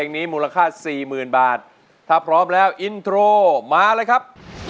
นี้มูลค่าสี่หมื่นบาทถ้าพร้อมแล้วอินโทรมาเลยครับ